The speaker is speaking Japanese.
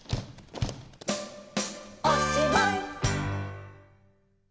「おしまい！」